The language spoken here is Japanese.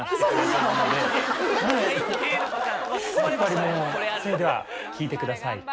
それでは聴いてください。